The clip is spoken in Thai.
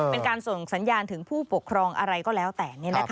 เป็นการส่งสัญญาณถึงผู้ปกครองอะไรก็แล้วแต่